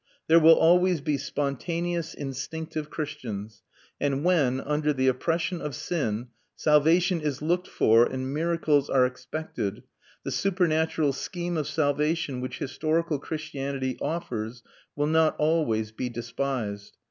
There will always be spontaneous, instinctive Christians; and when, under the oppression of sin, salvation is looked for and miracles are expected, the supernatural scheme of salvation which historical Christianity offers will not always be despised.